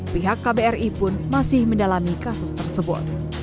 pihak kbri pun masih mendalami kasus tersebut